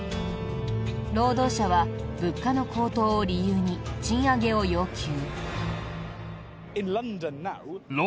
労働者は物価の高騰を理由に賃上げを要求。